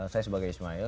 saya sebagai ismael